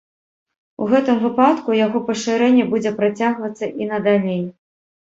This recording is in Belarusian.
У гэтым выпадку яго пашырэнне будзе працягвацца і надалей.